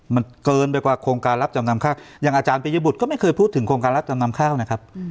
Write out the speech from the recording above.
มันเกินไปกว่าโครงการรับจำนำข้าวอย่างอาจารย์ปริยบุตรก็ไม่เคยพูดถึงโครงการรับจำนำข้าวนะครับ